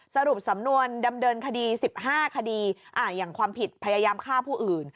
สรุปสำนวนดำเนินคดี๑๕คดีอย่างความผิดพยายามฆ่าผู้อื่น